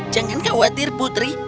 jangan khawatir putri